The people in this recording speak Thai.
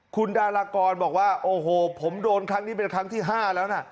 คุณดารากรบอกว่าโอ้โหผมโดนครั้งนี้เป็นครั้งที่๕แล้วนะ